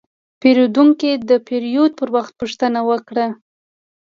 پیرودونکی د پیرود پر وخت پوښتنه وکړه.